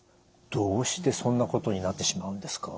どうしてそんなことになってしまうんですか？